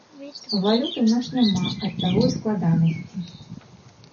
Валюты ў нас няма, ад таго і складанасці.